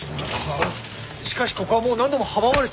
しかしここはもう何度も阻まれて。